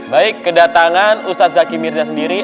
baik kedatangan ustadz zaki mirza sendiri